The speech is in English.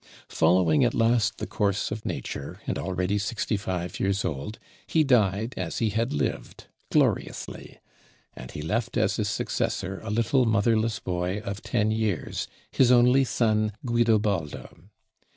Following at last the course of nature, and already sixty five years old, he died as he had lived, gloriously; and he left as his successor a little motherless boy of ten years, his only son Guidobaldo.